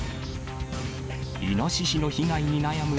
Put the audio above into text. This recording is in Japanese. イノシシの被害に悩む